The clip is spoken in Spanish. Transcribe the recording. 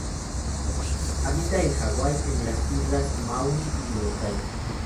Habita en Hawái en las islas Maui y Molokai.